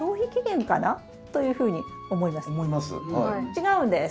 違うんです。